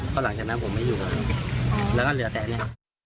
ก็หลังจากนั้นผมไม่อยู่แล้วก็เหลือแต่นี้